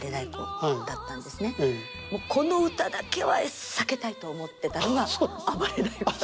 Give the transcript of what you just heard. もうこの歌だけは避けたいと思ってたのが「あばれ太鼓」。